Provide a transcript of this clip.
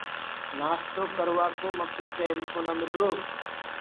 نآستو ڪروآ ڪو مڪوُ ٽيم ئي ڪونآ مِلرو۔